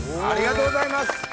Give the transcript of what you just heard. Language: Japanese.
ありがとうございます！